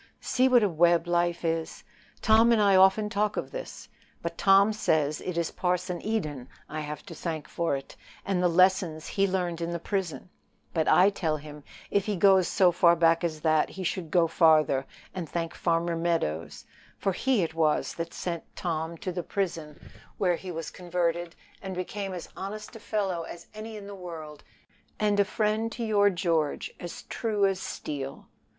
See what a web life is! Tom and I often talk of this. But Tom says it is Parson Eden I have to thank for it, and the lessons he learned in the prison; but I tell him if he goes so far back as that, he should go farther, and thank Farmer Meadows, for he it was that sent Tom to the prison, where he was converted, and became as honest a fellow as any in the world, and a friend to your George as true as steel."